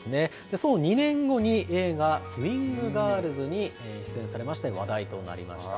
その２年後に、映画、スウィングガールズに出演されまして、話題となりました。